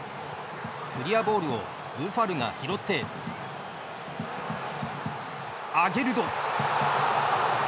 クリアボールをブファルが拾ってアゲルド！